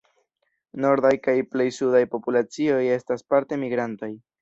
Nordaj kaj plej sudaj populacioj estas parte migrantaj.